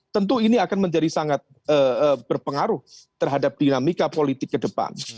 tentu ini akan menjadi sangat berpengaruh terhadap dinamika politik ke depan